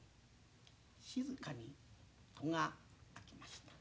静かに戸が開きました。